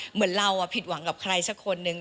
เหมือนเราผิดหวังกับใครสักคนนึง